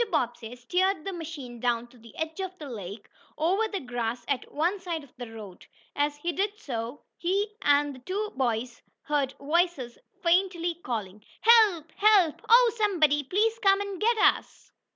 Bobbsey steered the machine down to the edge of the lake, over the grass at one side of the road. As he did so he and the two boys heard voices faintly calling: "Help!! Help! Oh, somebody please come and get us!"